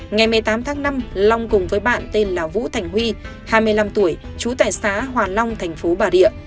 ngày một mươi tám tháng năm long cùng với bạn tên là vũ thành huy hai mươi năm tuổi chú tài xá hoà long thành phố bà rịa